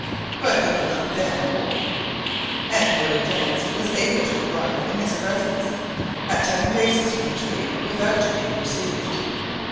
But he had not then awoke, and what advanced was able to arrive in his presence, at ten paces from the tree, without being perceived.